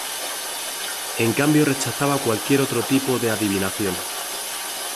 En cambio rechazaba cualquier otro tipo de adivinación.